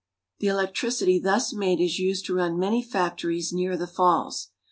The electricity thus made is used to run many factories near the falls.